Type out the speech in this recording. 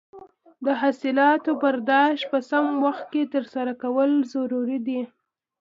د حاصلاتو برداشت په سم وخت ترسره کول ضروري دي.